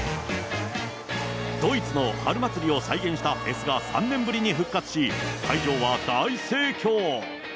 ドイツの春祭りを再現したフェスが３年ぶりに復活し、会場は大盛況。